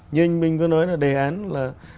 như anh minh có nói là đề án là